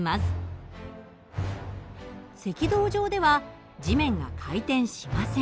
赤道上では地面が回転しません。